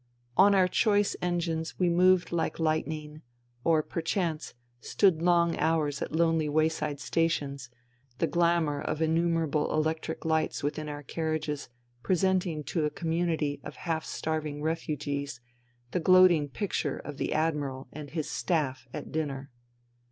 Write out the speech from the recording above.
On our choice engines we moved like lightning, or perchance stood long hours at lonely wayside stations, the glamour of innumerable electric lights within our carriages presenting to a community of half starving refugees the gloating picture of the Admiral and his " staff " at dinner.